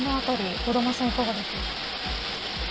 小玉さん、いかがでしょう。